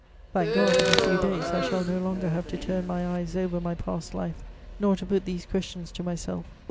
Thank God, in a few days I shall no longer have to turn my eyes over my past life, nor to put these questions to myself.